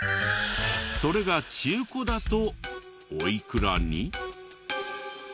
それが中古だとおいくらに？